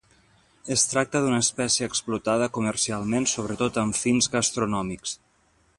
Es tracta d'una espècie explotada comercialment, sobretot amb fins gastronòmics.